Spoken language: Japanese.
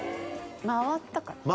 回ったかな。